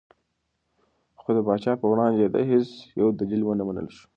خو د پاچا په وړاندې د ده هېڅ یو دلیل ونه منل شو.